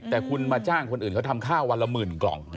แต่คุณมาจ้างคนอื่นเขาทำข้าววันละหมื่นกล่อง